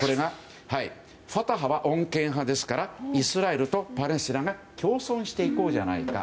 ファタハは穏健派ですからイスラエルとパレスチナが共存していこうじゃないか。